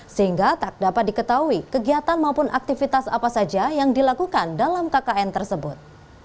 sehingga tak dapat diketahui kegiatan maupun aktivitas apa saja yang dilakukan dalam kkn tersebut